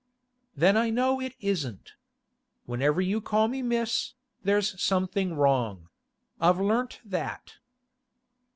'Then I know it isn't. Whenever you call me "Miss," there's something wrong; I've learnt that.